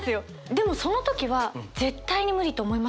でもその時は絶対に無理と思いませんか？